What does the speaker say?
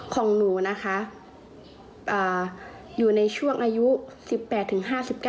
ของหนูนะคะอยู่ในช่วงอายุ๑๘ถึง๕๙